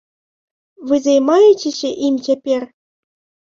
Вы займаецеся ім цяпер?